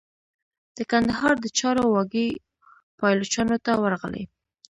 د کندهار د چارو واګي پایلوچانو ته ورغلې.